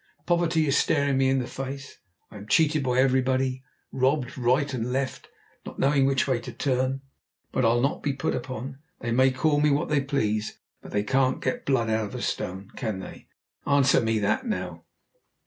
Poverty is staring me in the face; I am cheated by everybody. Robbed right and left, not knowing which way to turn. But I'll not be put upon. They may call me what they please, but they can't get blood out of a stone. Can they! Answer me that, now!"